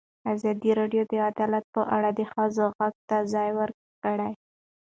ازادي راډیو د عدالت په اړه د ښځو غږ ته ځای ورکړی.